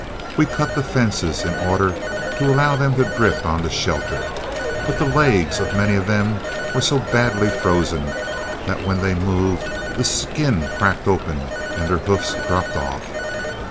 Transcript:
We cut the fences in order to allow them to drift on to shelter, but the legs of many of them were so badly frozen that, when they moved, the skin cracked open and their hoofs dropped off.